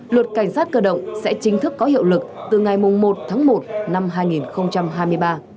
luật cảnh sát cơ động sẽ chính thức có hiệu lực từ ngày một tháng một năm hai nghìn hai mươi ba